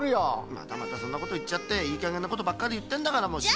またまたそんなこといっちゃっていいかげんなことばっかりいって。